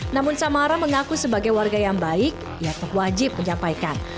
namun samara mengaku sebagai warga yang baik ia tak wajib menyampaikan